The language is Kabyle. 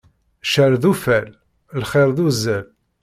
Cceṛ d uffal, lxiṛ d uzzal.